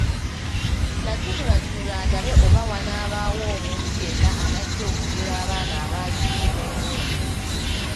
Natunula tunula ndabe oba wanaabaawo omuntu yenna anajja okugula abaana abaali mu kisenge omwo.